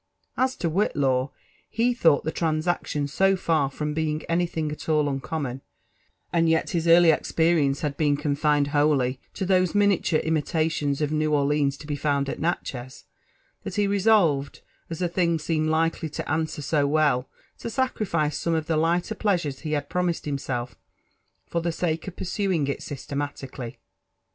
As to Whitlaw, be thought tim transaction so far from being anything at all uncommon — (and yet his early experience had been confined wholly to those miniature imilations of New Orleans to be found at Natchez) ^— that he resolved, as the thing seemed likely to answer so well, to sacrifice some of die lighter pleasures he had promised himself, lor the sake of pursuing it sys>* temalically.